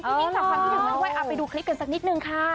ยิ่งฝากความคิดถึงมาด้วยเอาไปดูคลิปกันสักนิดนึงค่ะ